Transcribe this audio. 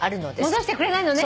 戻してくれないのね。